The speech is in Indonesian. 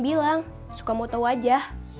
neng bilang suka mau tau aja